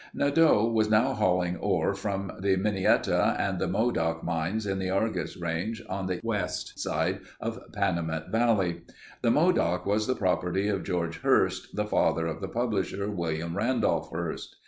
Nadeau was now hauling ore from the Minnietta and the Modoc mines in the Argus Range on the west side of Panamint Valley. The Modoc was the property of George Hearst, the father of the publisher, William Randolph Hearst.